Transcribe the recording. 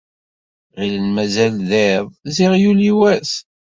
Ɣilen mazal d iḍ, ziɣ yuli wass.